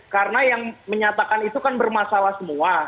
karena yang menyatakan itu kan bermasalah semua